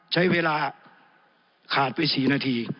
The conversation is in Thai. ใช้เวลาขาดไป๔นาที